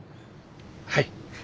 はい。